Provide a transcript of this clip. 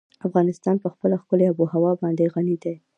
افغانستان په خپله ښکلې آب وهوا باندې غني دی.